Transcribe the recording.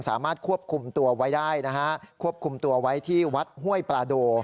สามารถควบคุมตัวไว้ได้นะฮะควบคุมตัวไว้ที่วัดห้วยปลาโด